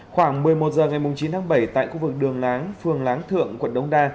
khoảng một mươi một h ngày chín tháng bảy tại khu vực đường láng phường láng thượng quận đông đa